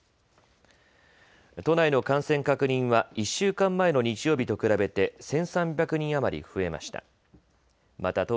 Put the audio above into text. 都内の感染確認は１週間前の日曜日と比べて１３００人余り増えました。